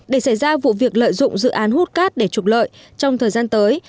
để xảy ra vụ việc lợi dụng dự án hút cát để trục lợi trong thời gian tới